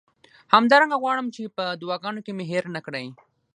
همدارنګه غواړم چې په دعاګانو کې مې هیر نه کړئ.